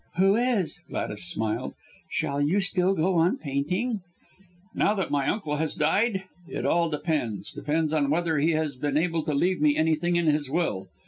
"Who is?" Gladys smiled. "Shall you still go on painting?" "Now that my uncle has died? It all depends depends on whether he has been able to leave me anything in his will.